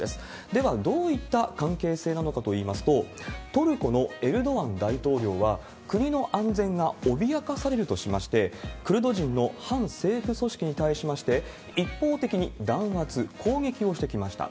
では、どういった関係性なのかといいますと、トルコのエルドアン大統領は、国の安全が脅かされるとしまして、クルド人の反政府組織に対しまして、一方的に弾圧、攻撃をしてきました。